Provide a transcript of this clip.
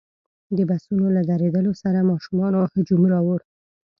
د بسونو له درېدلو سره ماشومانو هجوم راوړ.